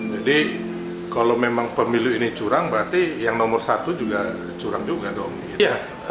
jadi kalau memang pemilu ini curang berarti yang nomor satu juga curang juga dong